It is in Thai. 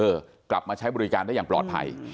กลับมาใช้บริการได้อย่างปลอดภัย